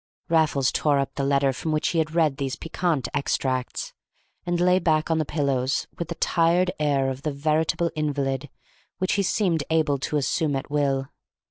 Raffles tore up the letter from which he had read these piquant extracts, and lay back on the pillows with the tired air of the veritable invalid which he seemed able to assume at will.